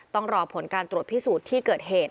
ต้องรอผลการตรวจพิสูจน์ที่เกิดเหตุ